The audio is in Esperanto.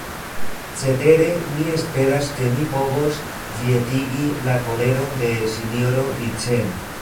Cetere mi esperas, ke mi povos kvietigi la koleron de sinjoro Vincent.